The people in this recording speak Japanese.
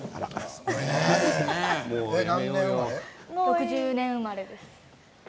６０年生まれです。